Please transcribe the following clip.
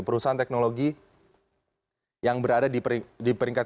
perusahaan teknologi yang berada di peringkat